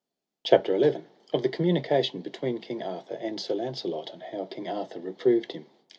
CHAPTER XI. Of the communication between King Arthur and Sir Launcelot, and how King Arthur reproved him.